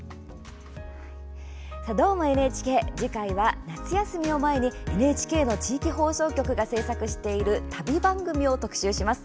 「どーも、ＮＨＫ」次回は、夏休みを前にＮＨＫの地域放送局が制作している旅番組を特集します。